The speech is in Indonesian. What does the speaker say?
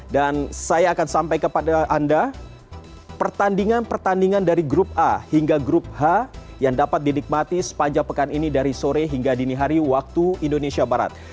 dan saya akan sampai kepada anda pertandingan pertandingan dari grup a hingga grup h yang dapat dinikmati sepanjang pekan ini dari sore hingga dini hari waktu indonesia barat